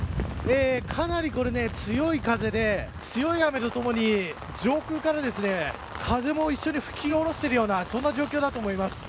かなりこれ、強い風で強い雨とともに上空から、風も一緒に吹き下ろしているようなそんな状況だと思います。